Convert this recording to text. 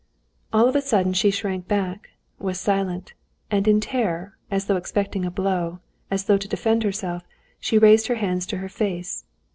All of a sudden she shrank back, was silent; and in terror, as though expecting a blow, as though to defend herself, she raised her hands to her face.